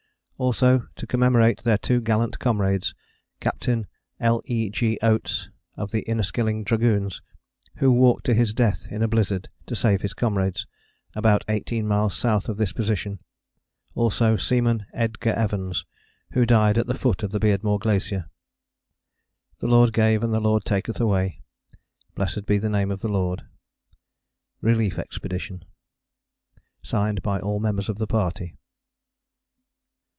Also to commemorate their two gallant comrades, Capt. L. E. G. Oates of the Inniskilling Dragoons, who walked to his death in a blizzard to save his comrades, about 18 miles south of this position; also of Seaman Edgar Evans, who died at the foot of the Beardmore Glacier. The Lord gave and the Lord taketh away. Blessed be the name of the Lord. Relief Expedition. (Signed by all members of the party.)